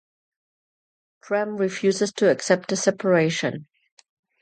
Prem refuses to accept the separation.